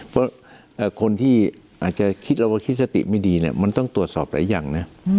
เพราะคนที่อาจจะคิดแล้วว่าคิดสติไม่ดีเนี่ยมันต้องตรวจสอบหลายอย่างนะ